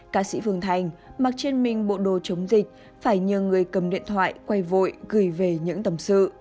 ca sĩ phương thành mặc trên mình bộ đồ chống dịch phải như người cầm điện thoại quay vội gửi về những tầm sự